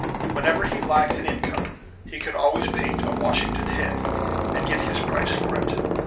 Whenever he lacked in income he could always paint a "Washington head" and get his price for it.